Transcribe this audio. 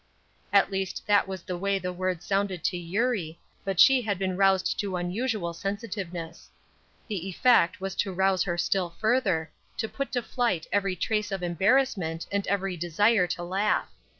At least that was the way the word sounded to Eurie, but she had been roused to unusual sensitiveness. The effect was to rouse her still further, to put to flight every trace of embarrassment and every desire to laugh.